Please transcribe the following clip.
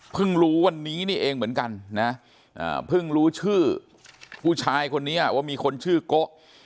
รู้วันนี้นี่เองเหมือนกันนะเพิ่งรู้ชื่อผู้ชายคนนี้ว่ามีคนชื่อโกะ